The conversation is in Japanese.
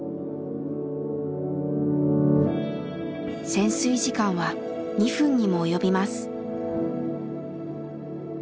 潜水時間は２分にも及びます。